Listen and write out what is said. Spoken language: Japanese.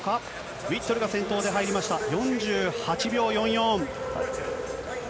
ウィットルが先頭で入りました、４８秒４４。